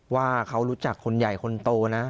ว่าเขารู้จักคนใหญ่คนโตนะ